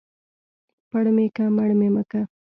پړ مى که مړ مى که.